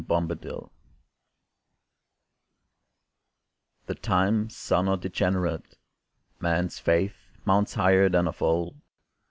THE TIMES The times are not degenerate. Man's faith Mounts higher than of old.